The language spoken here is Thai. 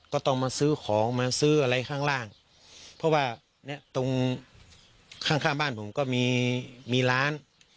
ก็ต้องมาซื้อของมาซื้ออะไรข้างล่างเพราะว่าเนี้ยตรงข้างข้างบ้านผมก็มีมีร้าน